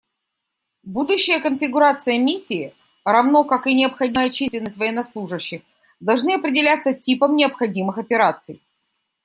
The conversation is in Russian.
Будущая конфигурация Миссии, равно как и необходимая численность военнослужащих, должны определяться типом необходимых операций.